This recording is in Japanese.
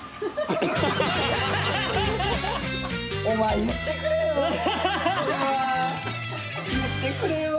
お前言ってくれよ！